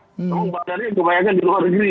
cuman bandarnya kebanyakan di luar negeri